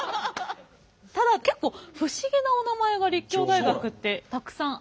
ただ結構不思議なおなまえが立教大学ってたくさんあるので。